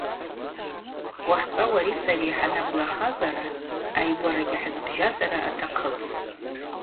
Уахьчӏва уари сари хӏанагвлахазара, айгварагьи хӏызбжьазара атахъыпӏ.